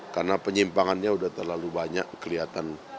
karena penyimpangannya udah terlalu banyak kelihatan